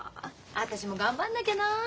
私も頑張んなきゃな。